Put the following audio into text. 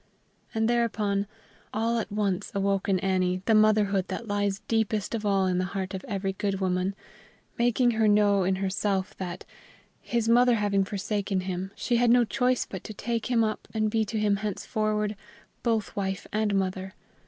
And thereupon all at once awoke in Annie the motherhood that lies deepest of all in the heart of every good woman, making her know in herself that, his mother having forsaken him, she had no choice but take him up and be to him henceforward both wife and mother.